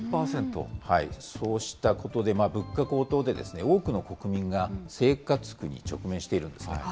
そうしたことで、物価高騰で多くの国民が生活苦に直面しているんです。